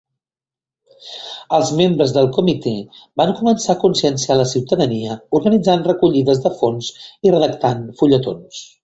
Els membres del comitè van començar a conscienciar la ciutadania organitzant recollides de fons i redactant fulletons.